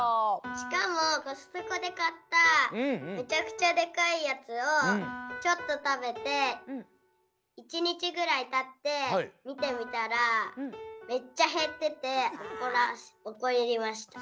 しかもコストコでかっためちゃくちゃデカいやつをちょっと食べて１にちぐらいたってみてみたらめっちゃへってておこりました。